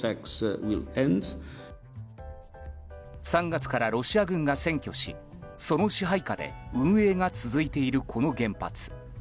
３月からロシア軍が占拠しその支配下で運営が続いているこの原発。